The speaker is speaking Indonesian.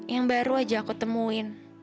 yang baru aja aku temuin